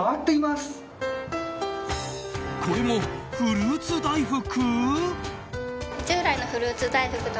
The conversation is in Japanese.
これもフルーツ大福？